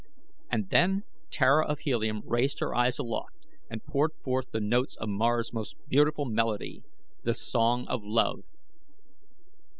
And then Tara of Helium raised her eyes aloft and poured forth the notes of Mars' most beautiful melody, The Song of Love.